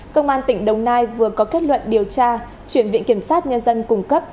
công an tỉnh đồng nai vừa có kết luận điều tra chuyển viện kiểm sát nhân dân cung cấp